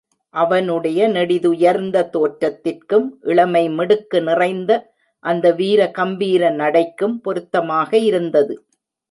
அவனுடைய நெடி துயர்ந்த தோற்றத்திற்கும் இளமை மிடுக்கு நிறைந்த அந்த வீர கம்பீர நடைக்கும் பொருத்தமாக இருந்தது.